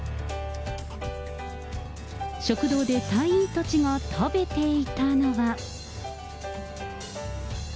食堂で隊員たちが食べていたのは。